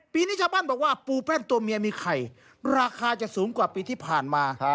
ปีนี้ชาวบ้านบอกว่าปูแป้นตัวเมียมีไข่ราคาจะสูงกว่าปีที่ผ่านมา